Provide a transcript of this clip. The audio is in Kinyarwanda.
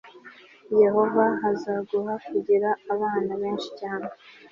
yehova azaguha kugira abana benshi cyane